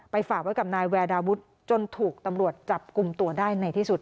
ฝากไว้กับนายแวดาวุฒิจนถูกตำรวจจับกลุ่มตัวได้ในที่สุด